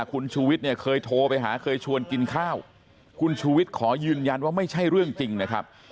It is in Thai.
คุณชูวิทย์เนี่ยเคยโทรไปหาเคยชวนกินข้าวคุณชูวิทย์ขอยืนยันว่าไม่ใช่เรื่องจริงนะครับ